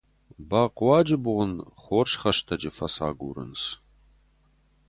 Бахъуаджы бон хорз хӕстӕджы фӕцагурынц.